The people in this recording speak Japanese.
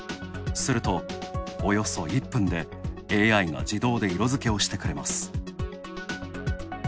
すると、およそ１分でＡＩが自動で色づけをしてくれます。